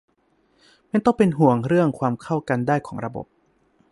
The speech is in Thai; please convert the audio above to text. ไม่ต้องเป็นห่วงเรื่องความเข้ากันได้ของระบบ